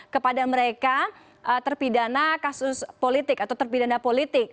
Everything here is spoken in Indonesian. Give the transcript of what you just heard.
kepada mereka terpidana kasus politik atau terpidana politik